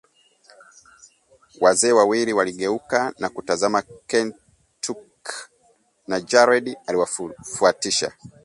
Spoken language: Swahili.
Wazee wawili waligeuka na kutazama Kentucky na Jared aliwafuatisha